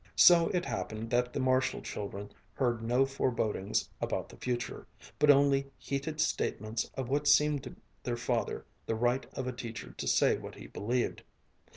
So it happened that the Marshall children heard no forebodings about the future, but only heated statements of what seemed to their father the right of a teacher to say what he believed.